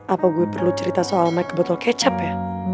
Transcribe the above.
apa gue perlu cerita soal make betul kecap ya